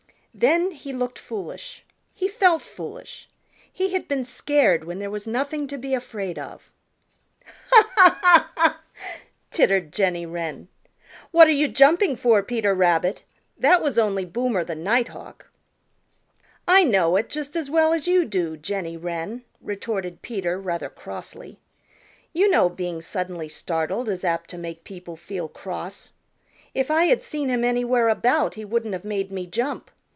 Then he looked foolish. He felt foolish. He had been scared when there was nothing to be afraid of. "Ha, ha, ha, ha," tittered Jenny Wren. "What are you jumping for, Peter Rabbit? That was only Boomer the Nighthawk." "I know it just as well as you do, Jenny Wren," retorted Peter rather crossly. "You know being suddenly startled is apt to make people feel cross. If I had seen him anywhere about he wouldn't have made me jump.